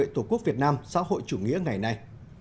tổ quốc việt nam xã hội chủ nghĩa ngày nay